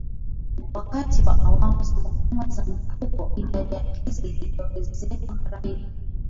Wakati wa awamu za mapema za mlipuko idadi ya kesi iliongezeka mara mbili